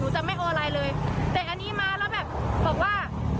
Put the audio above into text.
หนูจะไม่เอาอะไรเลยแต่อันนี้มาแล้วแบบบอกว่า